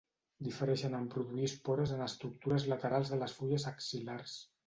Difereixen en produir espores en estructures laterals de les fulles axil·lars.